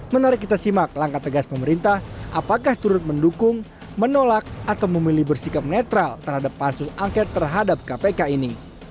menarik kita simak langkah tegas pemerintah apakah turut mendukung menolak atau memilih bersikap netral terhadap pansus angket terhadap kpk ini